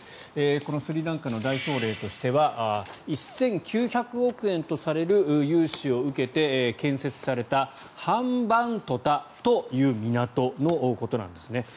このスリランカの代表例としては１９００億円とされる融資を受けて建設されたハンバントタという港のことなんです。